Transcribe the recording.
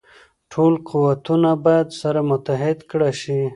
ټول قوتونه باید سره متحد کړه شي.